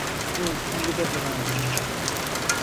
Bu mide bulandırıcı.